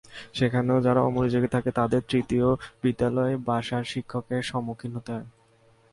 সেখানেও যারা অমনোযোগী থাকে তাদের তৃতীয় বিদ্যালয় বাসার শিক্ষকের সম্মুখীন হতে হয়।